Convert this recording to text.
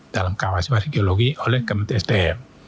dalam kawasan geologi oleh kementerian sdm